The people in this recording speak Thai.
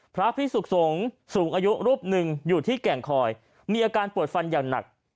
พระพิสุขสงฆ์สูงอายุรูปหนึ่งอยู่ที่แก่งคอยมีอาการปวดฟันอย่างหนัก